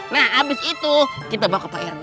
nah abis itu kita bawa ke pak herwe